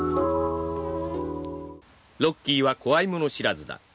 ロッキーは怖いもの知らずだ。